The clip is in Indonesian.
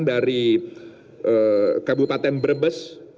dari kabupaten brebes